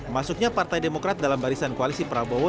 masuknya partai demokrat dalam barisan koalisi prabowo